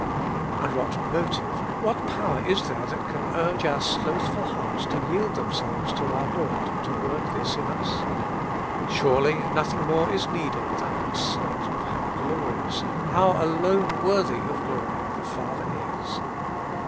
And what motive, what power is there that can urge our slothful hearts to yield themselves to our Lord to work this in us? Surely nothing more is needed than a sight of how glorious, how alone worthy of glory the Father is.